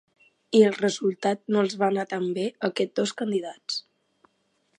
I el resultat no els va anar tan bé a aquests dos candidats.